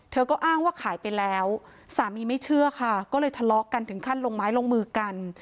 เธอก็อ้างว่าขายไปแล้วสามีไม่เชื่อค่ะก็เลยทะเลาะกันถึงขั้นลงไม้ลงมือกัน